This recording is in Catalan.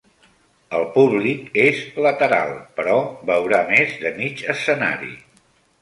El públic és lateral, però veurà més de mig escenari.